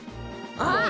ああ！